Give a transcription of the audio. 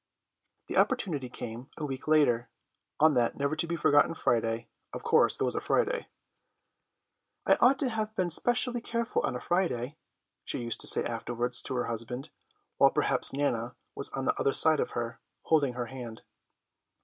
The opportunity came a week later, on that never to be forgotten Friday. Of course it was a Friday. "I ought to have been specially careful on a Friday," she used to say afterwards to her husband, while perhaps Nana was on the other side of her, holding her hand.